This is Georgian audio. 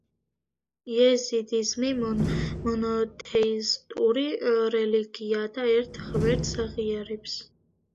იეზიდიზმი მონოთეისტური რელიგიაა და ერთ ღმერთს აღიარებს.